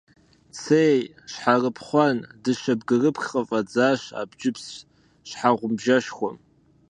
Цей, щхьэрыпхъуэн, дыщэ бгырыпх къыфӀэдзащ абджыпс щхьэгъубжэшхуэм.